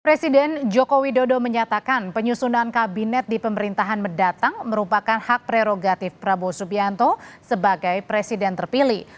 presiden joko widodo menyatakan penyusunan kabinet di pemerintahan mendatang merupakan hak prerogatif prabowo subianto sebagai presiden terpilih